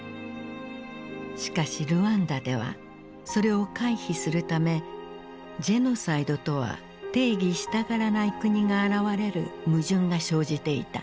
しかしルワンダではそれを回避するためジェノサイドとは定義したがらない国が現れる矛盾が生じていた。